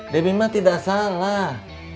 debi mah tidak salah